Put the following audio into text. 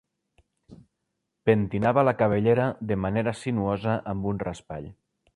Pentinava la cabellera de manera sinuosa amb un raspall.